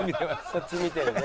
こっち見てるね。